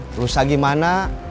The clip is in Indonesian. terus lagi mana